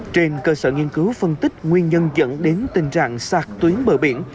trên cơ sở nghiên cứu phân tích nguyên nhân dẫn đến tình trạng sạt tuyến bờ biển